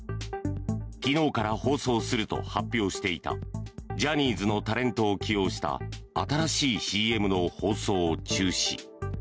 昨日から放送すると発表していたジャニーズのタレントを起用した新しいＣＭの放送を中止。